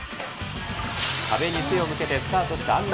壁に背を向けてスタートした安楽。